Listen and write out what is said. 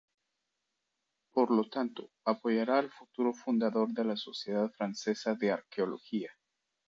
Por lo tanto, apoyará al futuro fundador de la Sociedad Francesa de Arqueología.